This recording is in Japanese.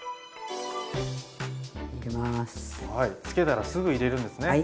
つけたらすぐ入れるんですね。